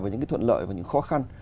về những cái thuận lợi và những khó khăn